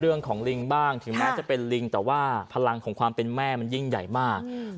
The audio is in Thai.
เรื่องของลิงบ้างถึงแม้จะเป็นลิงแต่ว่าพลังของความเป็นแม่มันยิ่งใหญ่มาก